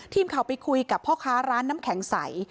ทีมข่าวไปคุยกับพ่อค้าร้านน้ำแข็งใส